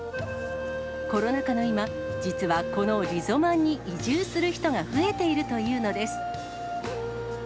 コロナ禍の今、実はこのリゾマンに移住する人が増えているというのです。